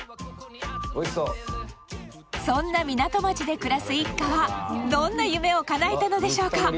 おいしそうそんな港町で暮らす一家はどんな夢をかなえたのでしょうか？